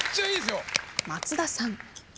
松田さん。